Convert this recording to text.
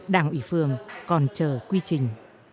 đảng ủy phường còn chờ quy trình